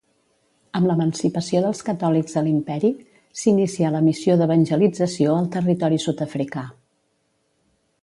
Amb l'emancipació dels catòlics a l'Imperi, s'inicià la missió d'evangelització al territori sud-africà.